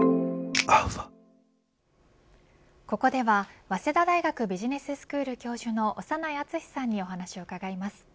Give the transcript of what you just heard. ここでは早稲田大学ビジネススクール教授の長内厚さんにお話を伺います。